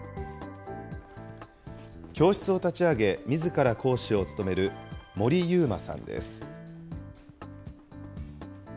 教室を立ち上げ、みずから講師を務める森優真さんです。